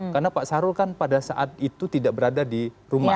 karena pak sarul kan pada saat itu tidak berada di rumah